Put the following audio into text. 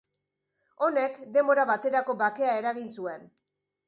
Honek, denbora baterako bakea eragin zuen.